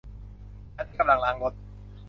ฉันที่กำลังล้างรถ